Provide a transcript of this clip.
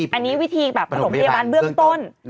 อันนี้วิธีประสงค์พยาบาลเบื้องต้น